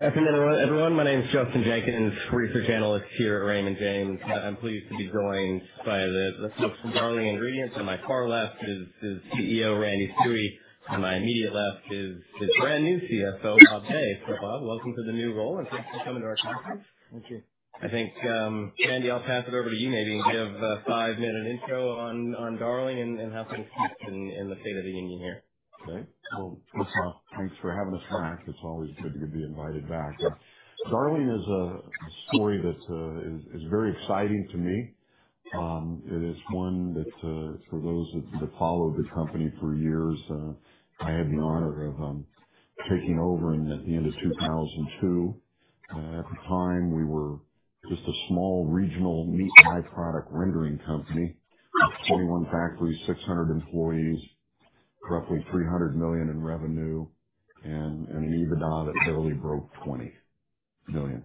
Good afternoon, everyone. My name's Justin Jenkins, Research Analyst here at Raymond James. I'm pleased to be joined by the folks from Darling Ingredients. On my far left is CEO Randy Stuewe, and on my immediate left is brand new CFO Bob Day. So Bob, welcome to the new role, and thanks for coming to our conference. Thank you. I think, Randy, I'll pass it over to you maybe and give a five-minute intro on Darling and how things work in the state of the union here. Thanks. Well, first off, thanks for having us back. It's always good to be invited back. Darling is a story that is very exciting to me. It is one that, for those that followed the company for years, I had the honor of taking over at the end of 2002. At the time, we were just a small regional meat and byproduct rendering company: 21 factories, 600 employees, roughly $300 million in revenue, and an EBITDA that barely broke $20 million.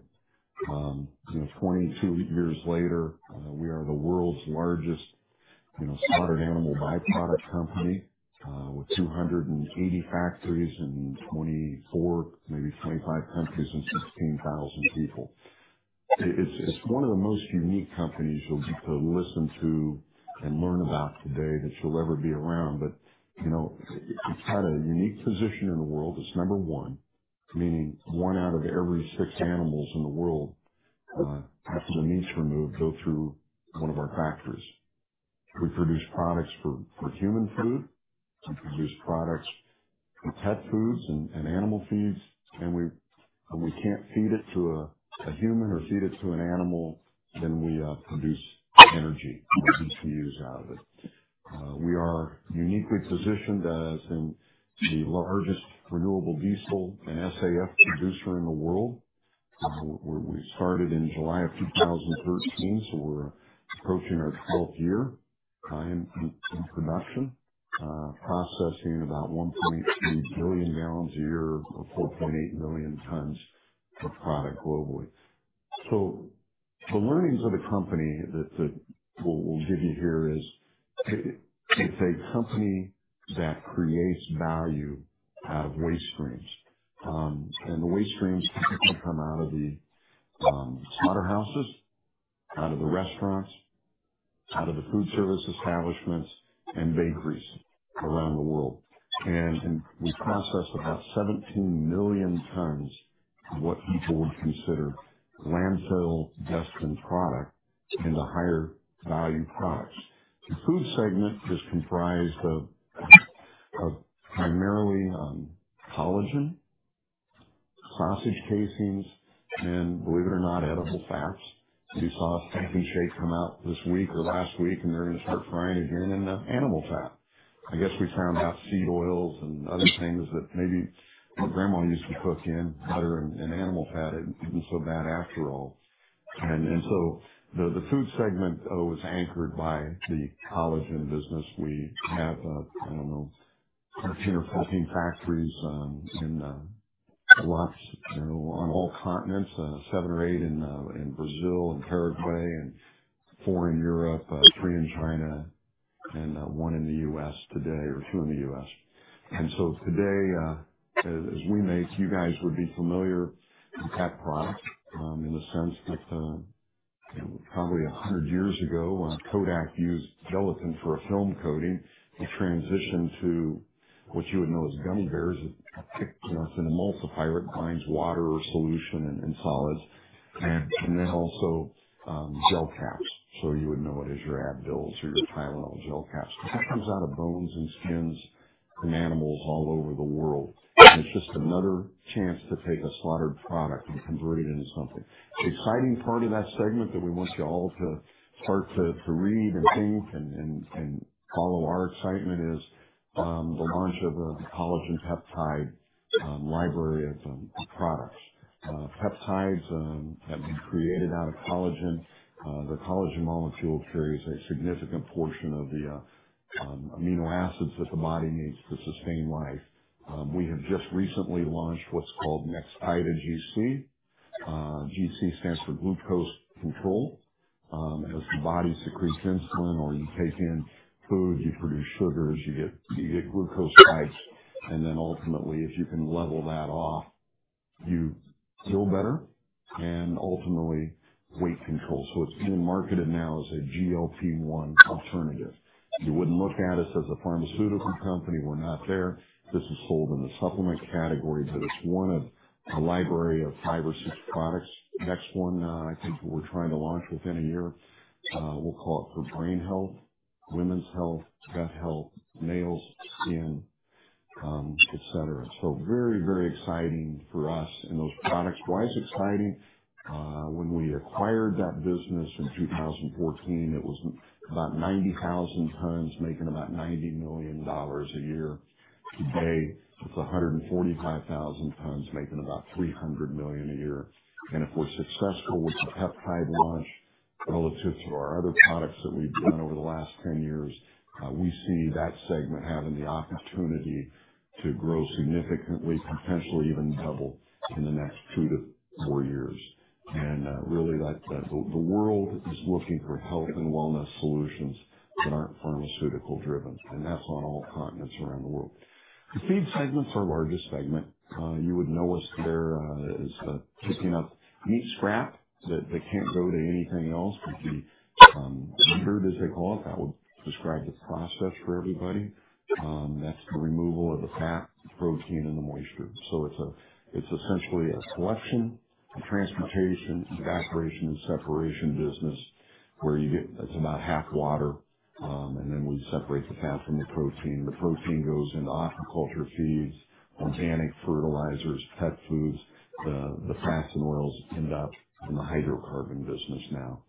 22 years later, we are the world's largest slaughtered animal byproduct company with 280 factories in 24, maybe 25 countries and 16,000 people. It's one of the most unique companies you'll get to listen to and learn about today that you'll ever be around. But it's got a unique position in the world. It's number one, meaning one out of every six animals in the world, after the meat's removed, go through one of our factories. We produce products for human food. We produce products for pet foods and animal feeds. And when we can't feed it to a human or feed it to an animal, then we produce energy or ECUs out of it. We are uniquely positioned as the largest renewable diesel and SAF producer in the world. We started in July of 2013, so we're approaching our 12th year in production, processing about 1.3 billion gallons a year or 4.8 million tons of product globally. So the learnings of the company that we'll give you here is it's a company that creates value out of waste streams. And the waste streams typically come out of the slaughterhouses, out of the restaurants, out of the food service establishments, and bakeries around the world. And we process about 17 million tons of what people would consider landfill-destined product into higher value products. The food segment is comprised of primarily collagen, sausage casings, and believe it or not, edible fats. You saw a Shake Shack come out this week or last week, and they're going to start frying again in animal fat. I guess we found out seed oils and other things that maybe my grandma used to cook in, butter and animal fat, it isn't so bad after all. And so the food segment was anchored by the collagen business. We have, I don't know, 13 or 14 factories in lots on all continents, seven or eight in Brazil and Paraguay, and four in Europe, three in China, and one in the US today, or two in the US And so today, as we make, you guys would be familiar with that product in the sense that probably 100 years ago, Kodak used gelatin for a film coating to transition to what you would know as gummy bears. It's an emulsifier. It binds water or solution and solids. And then also gel caps. So you would know it as your Advil's or your Tylenol gel caps. That comes out of bones and skins and animals all over the world. And it's just another chance to take a slaughtered product and convert it into something. The exciting part of that segment that we want you all to start to read and think and follow our excitement is the launch of the collagen peptide library of products. Peptides have been created out of collagen. The collagen molecule carries a significant portion of the amino acids that the body needs to sustain life. We have just recently launched what's called Nextida GC. GC stands for glucose control. As the body secretes insulin or you take in food, you produce sugars, you get glucose spikes, and then ultimately, if you can level that off, you feel better and ultimately weight control, so it's being marketed now as a GLP-1 alternative. You wouldn't look at us as a pharmaceutical company. We're not there. This is sold in the supplement category, but it's one of a library of five or six products. Next one, I think we're trying to launch within a year. We'll call it for brain health, women's health, gut health, males, skin, etc. So very, very exciting for us and those products. Why is it exciting? When we acquired that business in 2014, it was about 90,000 tons making about $90 million a year. Today, it's 145,000 tons making about $300 million a year. And if we're successful with the peptide launch relative to our other products that we've done over the last 10 years, we see that segment having the opportunity to grow significantly, potentially even double in the next two to four years. And really, the world is looking for health and wellness solutions that aren't pharmaceutical-driven. And that's on all continents around the world. The feed segment's our largest segment. You would know us there as picking up meat scrap that can't go to anything else. Rendering, as they call it, that would describe the process for everybody. That's the removal of the fat, protein, and the moisture, so it's essentially a collection, transportation, evaporation, and separation business where it's about half water, and then we separate the fat from the protein. The protein goes into aquaculture feeds, organic fertilizers, pet foods. The fats and oils end up in the hydrocarbon business now,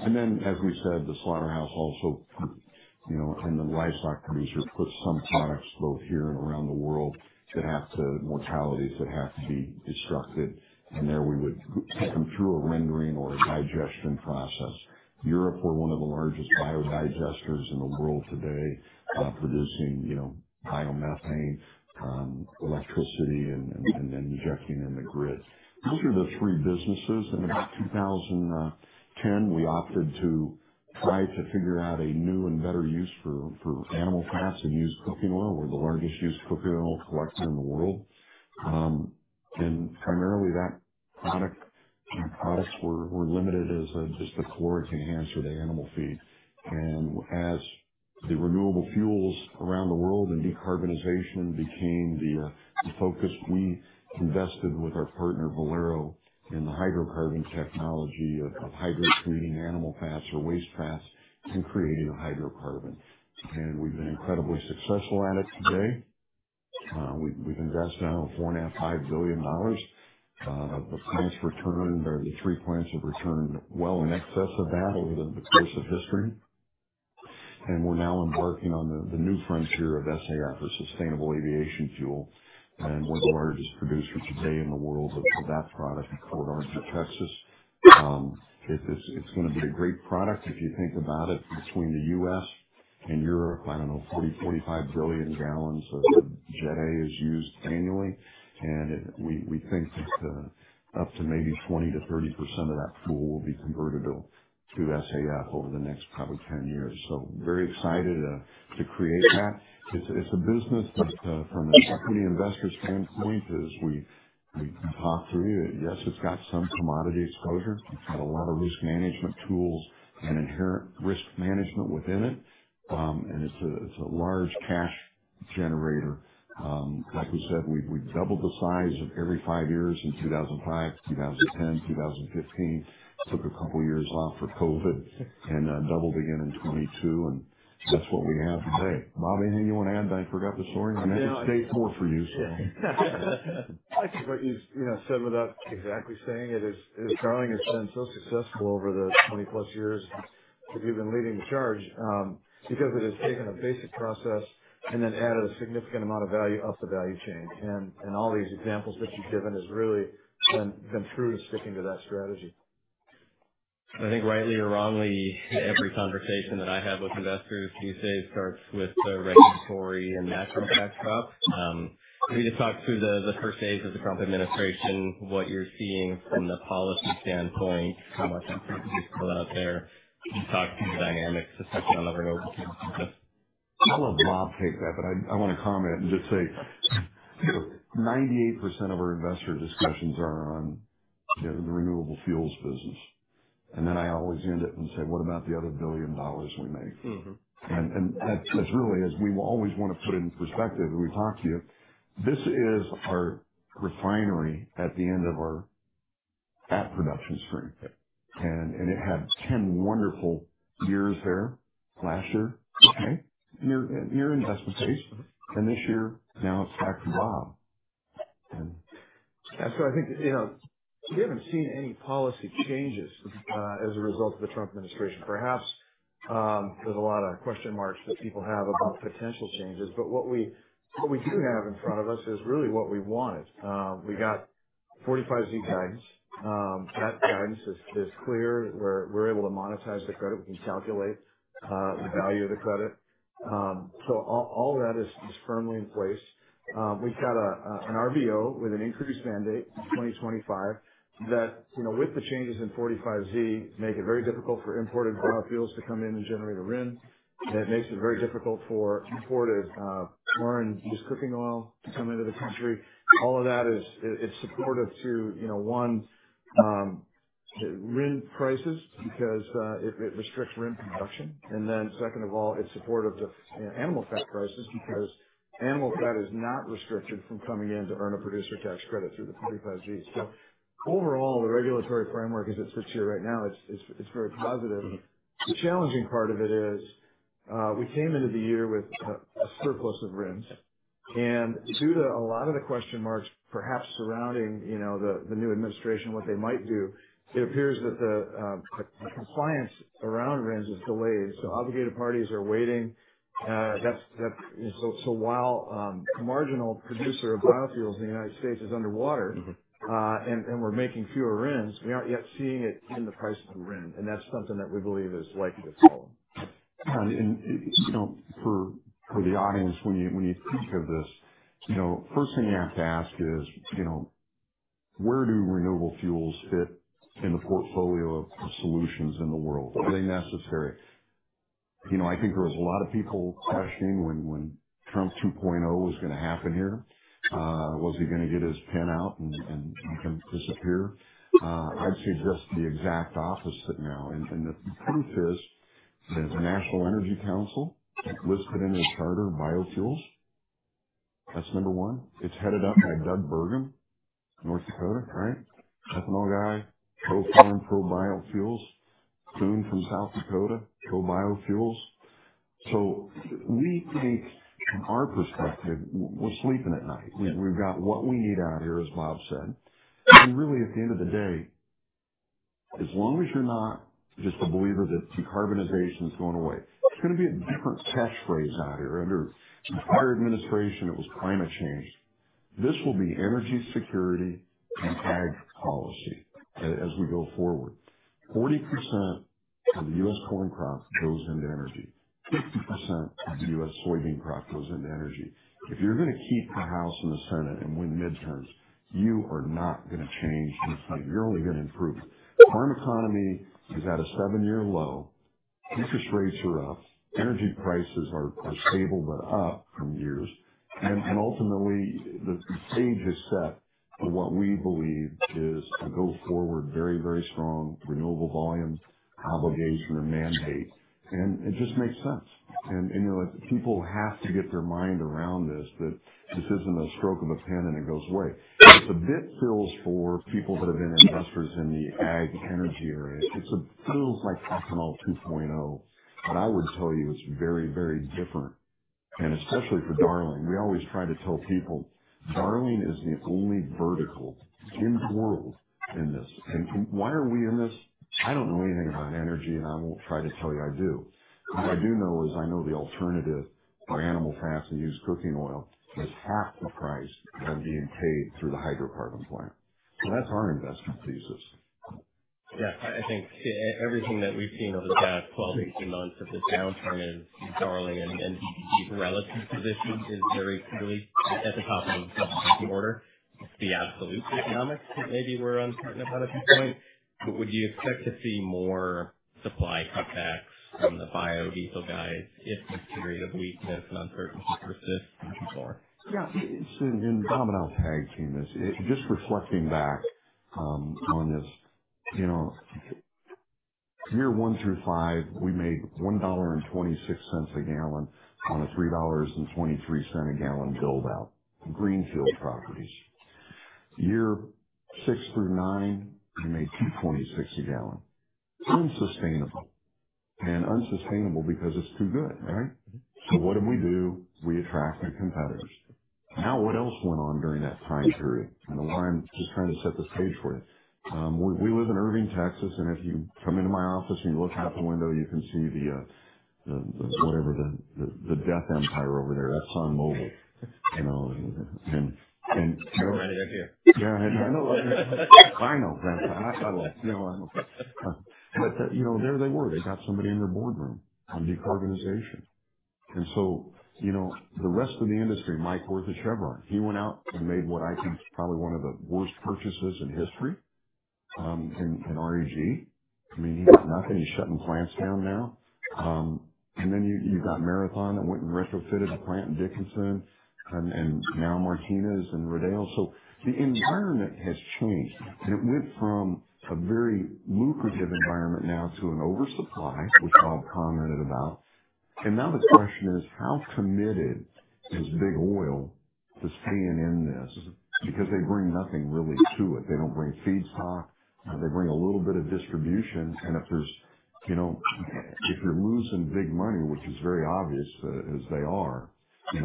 and then, as we said, the slaughterhouse also and the livestock producer puts some products both here and around the world that have to, mortalities that have to be destructed. And there we would take them through a rendering or a digestion process. In Europe, we're one of the largest biodigesters in the world today, producing biomethane, electricity, and then injecting in the grid. Those are the three businesses. In about 2010, we opted to try to figure out a new and better use for animal fats and used cooking oil. We're the largest used cooking oil collector in the world. And primarily, that product and products were limited as just a caloric enhancer to animal feed. And as the renewable fuels around the world and decarbonization became the focus, we invested with our partner, Valero, in the hydrocarbon technology of hydrotreating animal fats or waste fats and creating a hydrocarbon. And we've been incredibly successful at it today. We've invested around $4.5 billion. The plants returned, or the three plants have returned well in excess of that over the course of history. And we're now embarking on the new frontier of SAF, or sustainable aviation fuel, and we're the largest producer today in the world of that product in Port Arthur, Texas. It's going to be a great product if you think about it. Between the US and Europe, I don't know, 40-45 billion gallons of Jet A is used annually. We think that up to maybe 20%-30% of that fuel will be convertible to SAF over the next probably 10 years. Very excited to create that. It's a business that, from a company investor standpoint, as we talked through, yes, it's got some commodity exposure. It's got a lot of risk management tools and inherent risk management within it. It's a large cash generator. Like we said, we've doubled the size every five years in 2005, 2010, 2015. Took a couple of years off for COVID and doubled again in 2022. That's what we have today. Bob, anything you want to add? I forgot the story. I mean, I didn't stay for you, so. I think what you've said without exactly saying it is, Darling has been so successful over the 20-plus years that you've been leading the charge because it has taken a basic process and then added a significant amount of value up the value chain. And all these examples that you've given have really been true to sticking to that strategy. I think, rightly or wrongly, every conversation that I have with investors—you say—it starts with the regulatory and national backdrop. We just talked through the first days of the Trump administration, what you're seeing from the policy standpoint, how much effort you've put out there. We've talked through the dynamics, especially on the renewable fuel business. I'll let Bob take that, but I want to comment and just say 98% of our investor discussions are on the renewable fuels business, and then I always end it and say, "What about the other $1 billion we make?" And that's really as we always want to put it in perspective when we talk to you. This is our refinery at the end of our fat production stream, and it had 10 wonderful years there last year, okay, near investment base, and this year, now it's back to Bob. Yeah. So I think we haven't seen any policy changes as a result of the Trump administration. Perhaps there's a lot of question marks that people have about potential changes. But what we do have in front of us is really what we wanted. We got 45Z guidance. That guidance is clear. We're able to monetize the credit. We can calculate the value of the credit. So all of that is firmly in place. We've got an RVO with an increased mandate in 2025 that, with the changes in 45Z, makes it very difficult for imported biofuels to come in and generate a RIN. It makes it very difficult for imported used cooking oil to come into the country. All of that is supportive to, one, RIN prices because it restricts RIN production. Second of all, it's supportive to animal fat prices because animal fat is not restricted from coming in to earn a producer tax credit through the 45Z. Overall, the regulatory framework as it sits here right now, it's very positive. The challenging part of it is we came into the year with a surplus of RINs. Due to a lot of the question marks perhaps surrounding the new administration, what they might do, it appears that the compliance around RINs is delayed. Obligated parties are waiting. While the marginal producer of biofuels in the United States is underwater and we're making fewer RINs, we aren't yet seeing it in the price of the RIN. That's something that we believe is likely to follow. Yeah. And for the audience, when you think of this, first thing you have to ask is, where do renewable fuels fit in the portfolio of solutions in the world? Are they necessary? I think there was a lot of people questioning when Trump 2.0 was going to happen here. Was he going to get his pen out and disappear? I'd suggest the exact opposite now. And the proof is there's a National Energy Council listed in their charter, biofuels. That's number one. It's headed up by Doug Burgum, North Dakota, right? Ethanol guy, pro-fuel, pro-biofuels. Thune from South Dakota, pro-biofuels. So we think, from our perspective, we're sleeping at night. We've got what we need out here, as Bob said. Really, at the end of the day, as long as you're not just a believer that decarbonization is going away, it's going to be a different catchphrase out here. Under the prior administration, it was climate change. This will be energy security and ag policy as we go forward. 40% of the US corn crop goes into energy. 50% of the US soybean crop goes into energy. If you're going to keep the House and the Senate and win midterms, you are not going to change anything. You're only going to improve. The farm economy is at a seven-year low. Interest rates are up. Energy prices are stable but up from years. Ultimately, the stage is set for what we believe is a go forward very, very strong renewable volume obligation or mandate. It just makes sense. People have to get their mind around this that this isn't a stroke of a pen and it goes away. It feels a bit for people that have been investors in the ag energy area. It feels like ethanol 2.0. But I would tell you it's very, very different. And especially for Darling, we always try to tell people, Darling is the only vertical in the world in this. And why are we in this? I don't know anything about energy, and I won't try to tell you I do. What I do know is I know the alternative for animal fats and used cooking oil is half the price than being paid through the hydrocarbon plant. So that's our investment thesis. Yeah. I think everything that we've seen over the past 12 months-18 months of this downturn in Darling and his relative position is very clearly at the top of the order. It's the absolute economics that maybe we're uncertain about at this point. But would you expect to see more supply cutbacks from the biodiesel guys if this period of weakness and uncertainty persists? Yeah. In the domino tag team, just reflecting back on this, year one through five, we made $1.26 a gallon on a $3.23 a gallon buildout in greenfield properties. Year six through nine, we made $2.26 a gallon. Unsustainable. And unsustainable because it's too good, right? So what did we do? We attracted competitors. Now, what else went on during that time period? And why I'm just trying to set the stage for you. We live in Irving, Texas. And if you come into my office and you look out the window, you can see the whatever, the death empire over there. That's ExxonMobil. We're right over here. Yeah. I know. I know. I love it. I know. But there they were. They got somebody in their boardroom on decarbonization. So the rest of the industry, Mike Wirth at Chevron, he went out and made what I think is probably one of the worst purchases in history in REG. I mean, not that he's shutting plants down now. And then you've got Marathon that went and retrofitted the plant in Dickinson and now Martinez and Rodeo. So the environment has changed. And it went from a very lucrative environment now to an oversupply, which Bob commented about. And now the question is, how committed is Big Oil to staying in this? Because they bring nothing really to it. They don't bring feedstock. They bring a little bit of distribution. And if you're losing big money, which is very obvious, as they are, is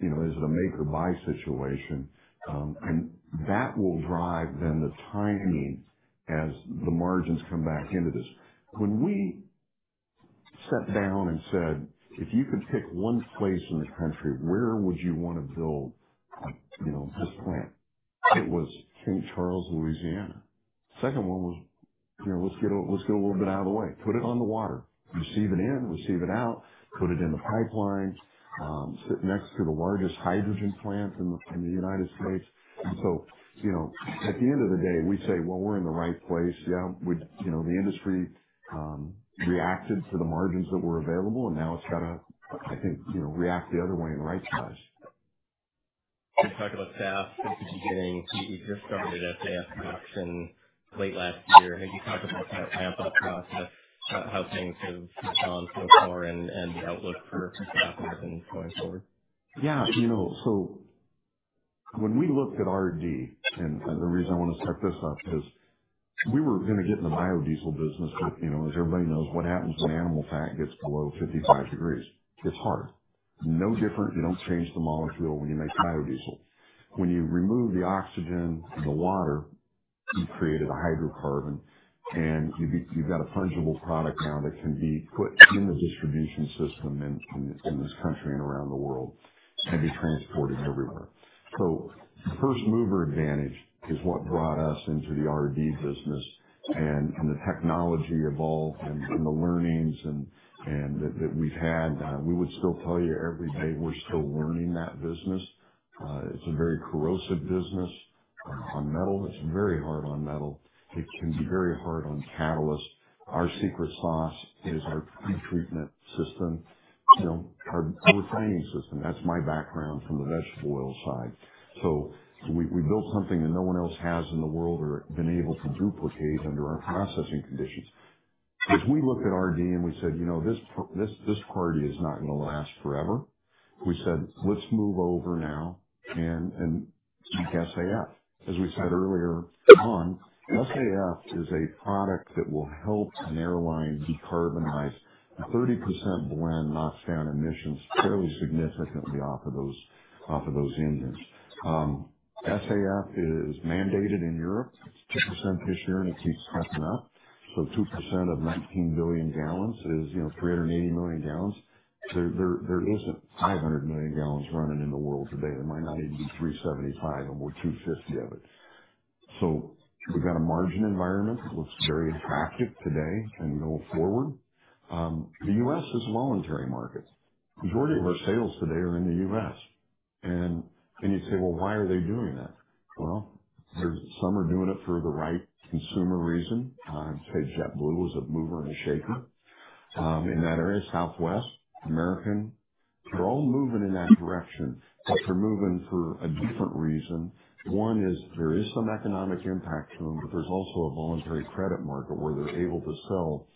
it a make or buy situation? And that will drive then the timing as the margins come back into this. When we sat down and said, "If you could pick one place in the country, where would you want to build this plant?" It was St. Charles, Louisiana. The second one was, "Let's get a little bit out of the way. Put it on the water. Receive it in, receive it out. Put it in the pipelines. Sit next to the largest hydrogen plant in the United States." And so at the end of the day, we say, "Well, we're in the right place." Yeah. The industry reacted to the margins that were available. And now it's got to, I think, react the other way in right size. You talked about SAF since the beginning. You just started SAF production late last year. Have you talked about that ramp-up process, how things have gone so far, and the outlook for SAF going forward? Yeah, so when we looked at R&D, and the reason I want to start this up is we were going to get in the biodiesel business, but as everybody knows, what happens when animal fat gets below 55 degrees Fahrenheit? It's hard. No different. You don't change the molecule when you make biodiesel. When you remove the oxygen and the water, you've created a hydrocarbon. And you've got a fungible product now that can be put in the distribution system in this country and around the world and be transported everywhere, so the first mover advantage is what brought us into the R&D business. And the technology evolved and the learnings that we've had. We would still tell you every day we're still learning that business. It's a very corrosive business on metal. It's very hard on metal. It can be very hard on catalysts. Our secret sauce is our pre-treatment system, our refining system. That's my background from the vegetable oil side. So we built something that no one else has in the world or been able to duplicate under our processing conditions. As we looked at R&D and we said, "This party is not going to last forever." We said, "Let's move over now and keep SAF." As we said earlier, SAF is a product that will help an airline decarbonize a 30% blend, knocks down emissions fairly significantly off of those engines. SAF is mandated in Europe. It's 2% this year, and it keeps stepping up. So 2% of 19 billion gallons is 380 million gallons. There isn't 500 million gallons running in the world today. There might not even be 375, and we're 250 of it. So we've got a margin environment that looks very attractive today and going forward. The US is a voluntary market. The majority of our sales today are in the US And you say, "Well, why are they doing that?" Well, some are doing it for the right consumer reason. I'd say JetBlue is a mover and a shaker in that area, Southwest, American. They're all moving in that direction, but they're moving for a different reason. One is there is some economic impact to them, but there's also a voluntary credit market where they're able to sell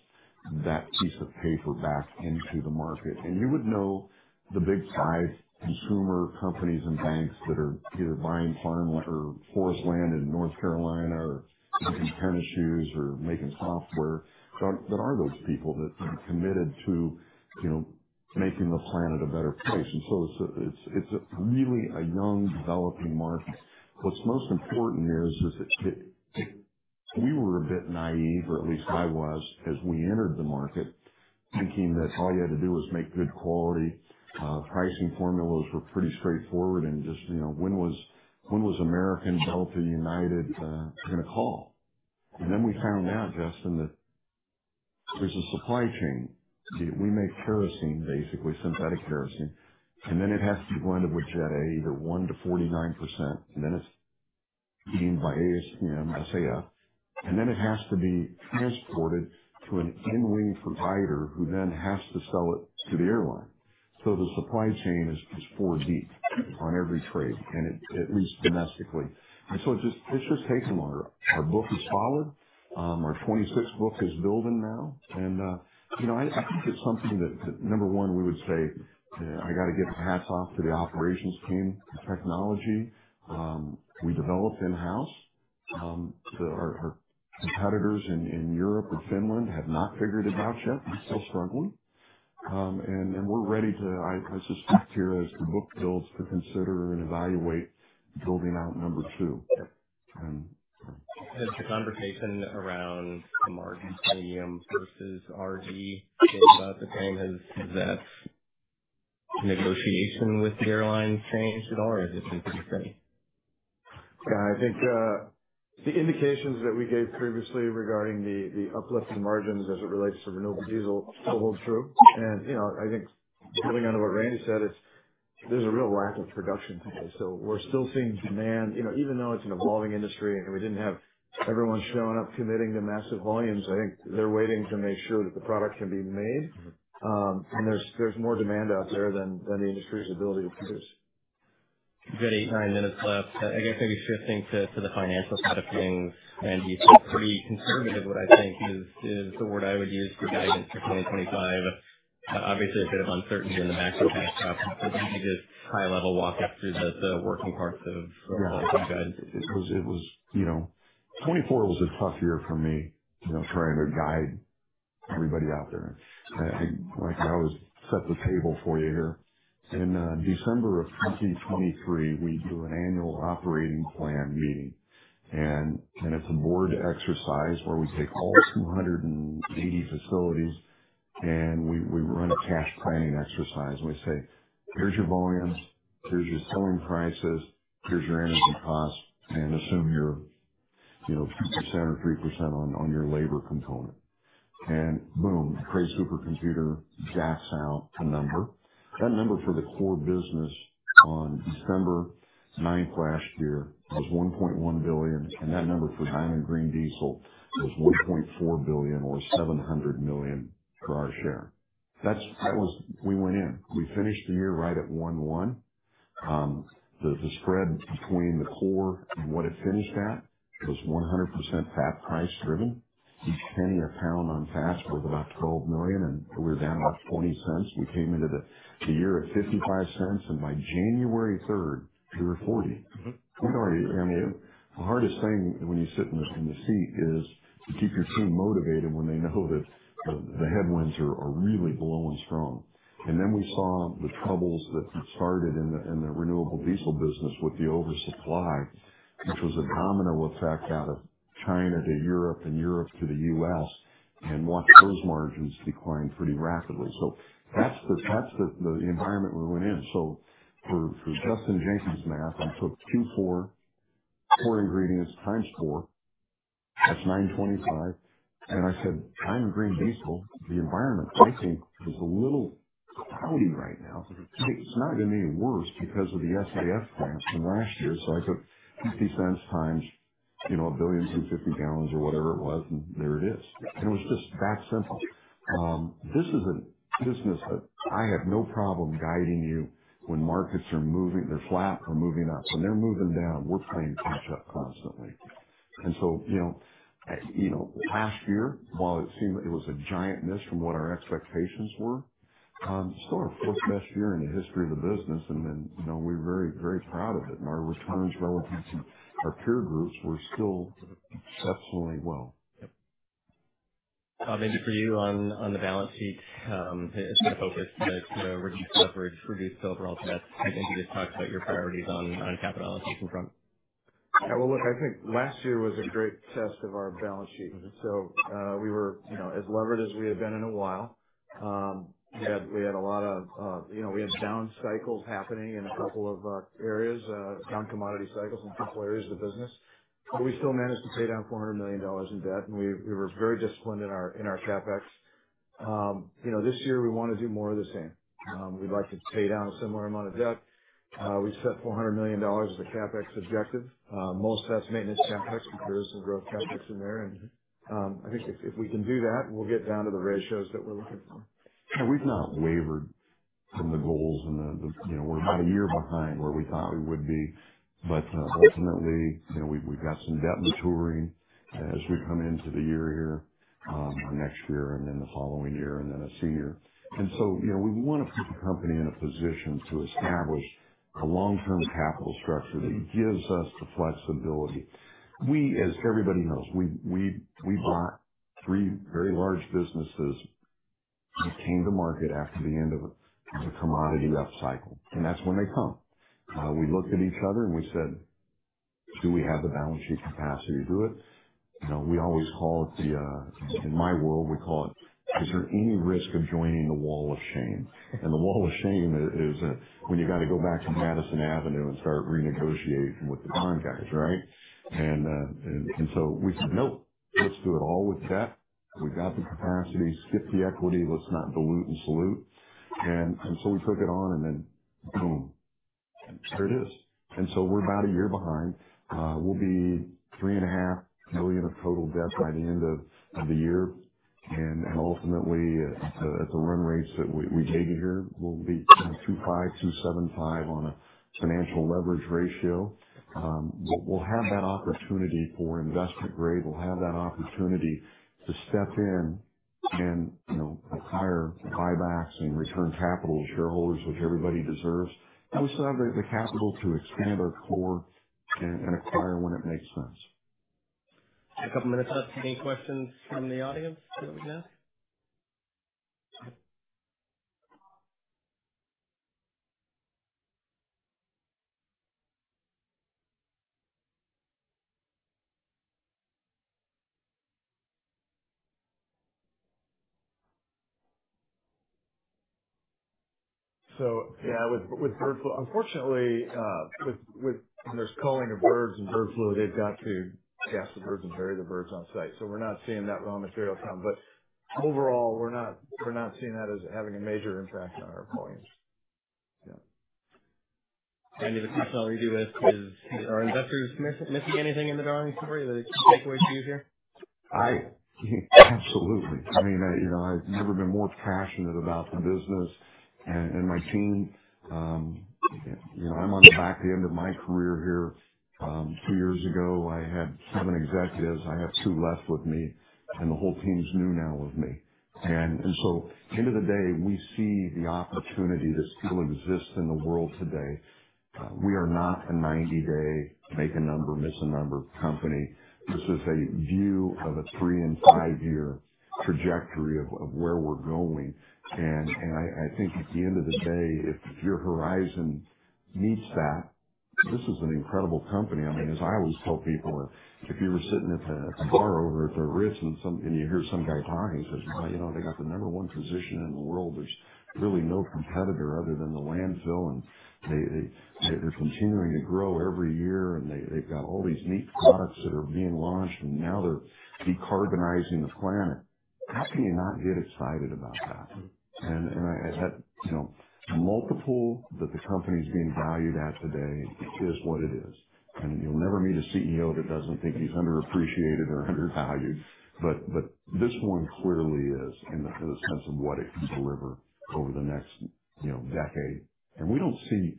that piece of paper back into the market. And you would know the big five consumer companies and banks that are either buying farmland or forest land in North Carolina or making tennis shoes or making software. There are those people that are committed to making the planet a better place. And so it's really a young, developing market. What's most important is we were a bit naive, or at least I was, as we entered the market, thinking that all you had to do was make good quality. Pricing formulas were pretty straightforward, and just when was American, Delta, United going to call, and then we found out, Justin, that there's a supply chain. We make kerosene, basically, synthetic kerosene, and then it has to be blended with Jet A, either 1 to 49%. And then it's deemed by ASTM, SAF, and then it has to be transported to an into-wing provider who then has to sell it to the airline, so the supply chain is four deep on every trade, at least domestically, and so it's just taken longer. Our book is full. Our 26th book is building now. And I think it's something that, number one, we would say, "I got to get my hats off to the operations team, the technology." We developed in-house. Our competitors in Europe and Finland have not figured it out yet. We're still struggling. And we're ready to, I suspect, here as the book builds, to consider and evaluate building out number two. Has the conversation around the margin premium versus R&D been about the same as that negotiation with the airlines changed at all, or has it been pretty steady? Yeah. I think the indications that we gave previously regarding the uplift in margins as it relates to renewable diesel still hold true. And I think building on what Randy said, there's a real lack of production today. So we're still seeing demand. Even though it's an evolving industry and we didn't have everyone showing up committing to massive volumes, I think they're waiting to make sure that the product can be made. And there's more demand out there than the industry's ability to produce. We've got eight, nine minutes left. I guess maybe shifting to the financial side of things, Randy. It's pretty conservative, what I think is the word I would use for guidance for 2025. Obviously, a bit of uncertainty in the macro tax problem. So just high-level walk-through of the working parts of your guidance. It was 24 was a tough year for me trying to guide everybody out there. I always set the table for you here. In December of 2023, we do an annual operating plan meeting. It's a board exercise where we take all 280 facilities, and we run a cash planning exercise. We say, "Here's your volumes. Here's your selling prices. Here's your energy costs. And assume you're 2% or 3% on your labor component." Boom, Craig's Supercomputer jacks out a number. That number for the core business on 9th December last year was $1.1 billion. That number for Diamond Green Diesel was $1.4 billion or $700 million for our share. We went in. We finished the year right at $1.1 billion. The spread between the core and what it finished at was 100% fat price driven. Each penny a pound on fat's worth about $12 million. We were down about $0.20. We came into the year at $0.55. And by 3rd January, we were $0.40. The hardest thing when you sit in the seat is to keep your team motivated when they know that the headwinds are really blowing strong. And then we saw the troubles that started in the renewable diesel business with the oversupply, which was a domino effect out of China to Europe and Europe to the US, and watched those margins decline pretty rapidly. So that's the environment we went in. So for Justin Jenkins' math, I took Q4, four ingredients, times four. That's 925. And I said, "Diamond Green Diesel, the environment I think is a little cloudy right now. It's not going to be worse because of the SAF plants from last year." So I took $0.50 times 1.25 billion gallons or whatever it was, and there it is. And it was just that simple. This is a business that I have no problem guiding you when markets are moving, they're flat, they're moving up. When they're moving down, we're playing catch-up constantly. And so last year, while it seemed it was a giant miss from what our expectations were, still our fourth best year in the history of the business. And we're very, very proud of it. And our returns relative to our peer groups were still exceptionally well. Bob, maybe for you on the balance sheet, it's been a focus. To reduce leverage, reduce the overall debt. I think you just talked about your priorities on capitalization front. Yeah. Well, look, I think last year was a great test of our balance sheet. So we were as levered as we had been in a while. We had a lot of down cycles happening in a couple of areas, down commodity cycles in a couple of areas of the business. But we still managed to pay down $400 million in debt. And we were very disciplined in our CapEx. This year, we want to do more of the same. We'd like to pay down a similar amount of debt. We set $400 million as a CapEx objective. Most that's maintenance CapEx because there's some growth CapEx in there. And I think if we can do that, we'll get down to the ratios that we're looking for. Yeah. We've not wavered from the goals. And we're about a year behind where we thought we would be. But ultimately, we've got some debt maturing as we come into the year here, next year, and then the following year, and then a senior. And so we want to put the company in a position to establish a long-term capital structure that gives us the flexibility. We, as everybody knows, we bought three very large businesses that came to market after the end of a commodity upcycle. And that's when they come. We looked at each other and we said, "Do we have the balance sheet capacity to do it?" We always call it, in my world, we call it, "Is there any risk of joining the wall of shame?" And the wall of shame is when you got to go back to Madison Avenue and start renegotiating with the bond guys, right? And so we said, "Nope. Let's do it all with debt. We've got the capacity. Skip the equity. Let's not dilute and salute." And so we took it on and then boom, there it is. And so we're about a year behind. We'll be $3.5 million of total debt by the end of the year. And ultimately, at the run rates that we gave you here, we'll be 2.5-2.75 on a financial leverage ratio. We'll have that opportunity for investment grade. We'll have that opportunity to step in and acquire buybacks and return capital to shareholders, which everybody deserves, and we still have the capital to expand our core and acquire when it makes sense. A couple of minutes left. Any questions from the audience that we can ask? So yeah, with Bird Flu, unfortunately, there's culling of birds and Bird Flu. They've got to cull the birds and bury the birds on site. So we're not seeing that raw material come. But overall, we're not seeing that as having a major impact on our volumes. Yeah. Randy, the question I'll leave you with is, are investors missing anything in the Darling story that they can take away from you here? Absolutely. I mean, I've never been more passionate about the business and my team. I'm on the back end of my career here. Two years ago, I had seven executives. I have two left with me, and the whole team's new now with me. So at the end of the day, we see the opportunity that still exists in the world today. We are not a 90-day make a number, miss a number company. This is a view of a three- and five-year trajectory of where we're going. I think at the end of the day, if your horizon meets that, this is an incredible company. I mean, as I always tell people, if you were sitting at the bar over at the Ritz-Carlton and you hear some guy talking, he says, "Well, they got the number one position in the world. There's really no competitor other than the landfill. And they're continuing to grow every year. And they've got all these neat products that are being launched. And now they're decarbonizing the planet." How can you not get excited about that? And I had multiple. That the company's being valued at today is what it is. And you'll never meet a CEO that doesn't think he's underappreciated or undervalued. But this one clearly is in the sense of what it can deliver over the next decade. And we don't see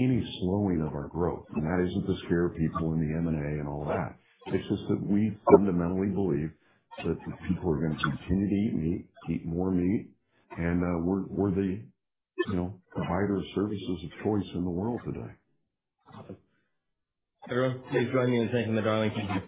any slowing of our growth. And that isn't the scare of people in the M&A and all that. It's just that we fundamentally believe that people are going to continue to eat meat, eat more meat. And we're the provider of services of choice in the world today. Everyone, please join me in thanking the Darling.